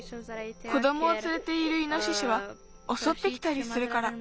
子どもをつれているイノシシはおそってきたりするから。